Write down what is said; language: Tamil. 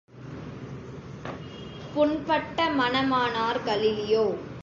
புண்பட்ட மனமானார் கலீலியோ!